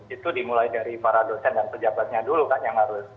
itu dimulai dari para dosen dan pejabatnya dulu kan yang harus